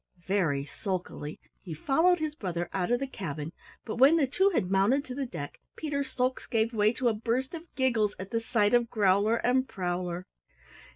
Very sulkily he followed his brother out of the cabin, but when the two had mounted to the deck Peter's sulks gave way to a burst of giggles at the sight of Growler and Prowler.